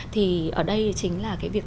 thì ở đây chính là cái việc